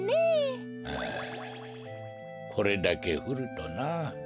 あこれだけふるとなあ。